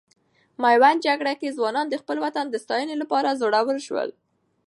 میوند جګړې کې ځوانان د خپل وطن د ساتنې لپاره زړور سول.